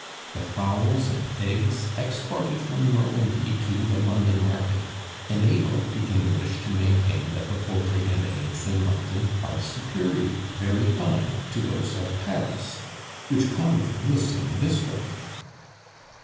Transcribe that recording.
The fowls and eggs exported from Normandy to the London market enable the English to maintain that the poultry and eggs in London are superior (very fine) to those of Paris, which come from the same district.